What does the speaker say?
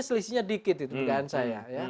selisihnya dikit itu dugaan saya